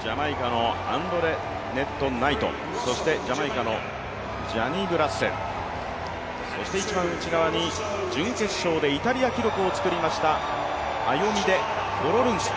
ジャマイカのアンドレネット・ナイト、そしてジャマイカのジャニーブ・ラッセル、一番内側に準決勝でイタリア記録を作りましたアヨミデ・フォロルンソ。